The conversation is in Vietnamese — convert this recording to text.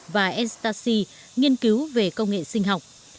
và enstasy nghiên cứu về công nghệ sinh học